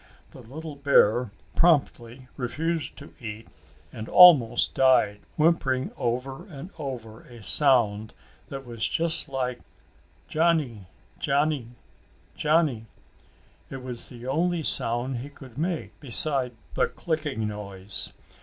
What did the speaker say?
The little bear promptly refused to eat and almost died, whimpering over and over a sound that was just like "Johnny, Johnny, Johnny." It was the only sound he could make beside the clicking noise.